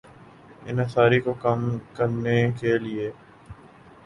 انحصار کو کم کرنے کے لیے